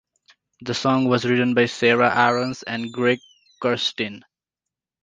The song was written by Sarah Aarons and Greg Kurstin.